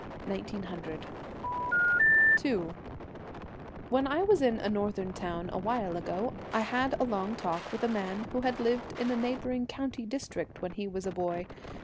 1900. 11 When I was in a northern town awhile ago I had a long talk with a man who had lived in a neighbouring country district when he was a boy.